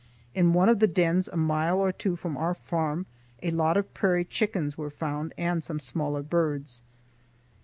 In one of the dens a mile or two from our farm a lot of prairie chickens were found and some smaller birds.